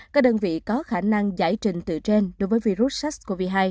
các đơn vị có khả năng giải trình từ trên đối với virus sars cov hai